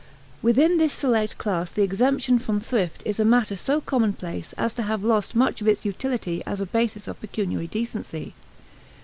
Within this select class the exemption from thrift is a matter so commonplace as to have lost much of its utility as a basis of pecuniary decency.